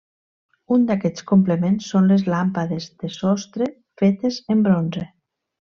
Un d'aquests complements són les làmpades de sostre fetes en bronze.